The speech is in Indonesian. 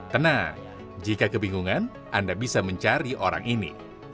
tenang jika kebingungan anda bisa mencari orang ini